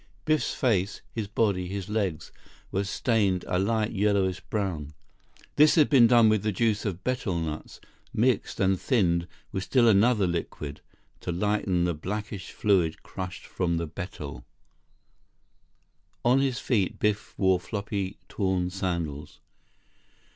Biff's face, his body, his legs, were stained a light, yellowish brown. This had been done with the juice of betel nuts, mixed and thinned with still another liquid, to lighten the blackish fluid crushed from the betel. On his feet, Biff wore floppy, torn sandals.